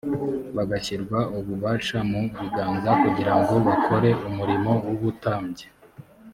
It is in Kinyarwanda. bagashyirwa ububasha mu biganza kugira ngo bakore umurimo w’ubutambyi